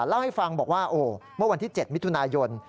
เล่าให้ฟังบอกว่าโอ้เมื่อวันที่๗มิถุนายน